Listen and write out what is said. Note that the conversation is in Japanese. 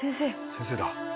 先生だ。